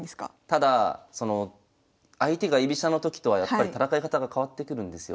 ただその相手が居飛車のときとはやっぱり戦い方が変わってくるんですよ。